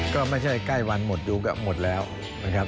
ก็ไม่ใช่ใกล้วันหมดดูก็หมดแล้วนะครับ